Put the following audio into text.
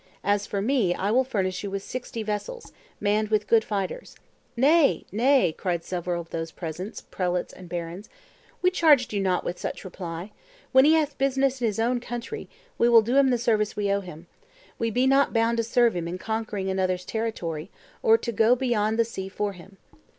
As for me, I will furnish you with sixty vessels, manned with good fighters." "Nay, nay," cried several of those present, prelates and barons, "we charged you not with such reply; when he hath business in his own country, we will do him the service we owe him; we be not bound to serve him in conquering another's territory, or to go beyond sea for him."